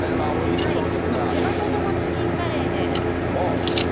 手羽元のチキンカレーで。